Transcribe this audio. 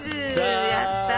やったー。